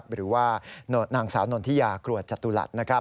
หรือว่านางสาวนนทิยาครัวจตุรัส